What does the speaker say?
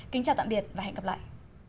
kính chào tạm biệt và hẹn gặp lại